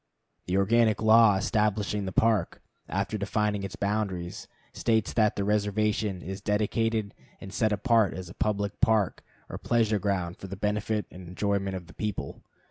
The organic law establishing the Park, after defining its boundaries, states that the reservation is "dedicated and set apart as a public park or pleasure ground for the benefit and enjoyment of the people."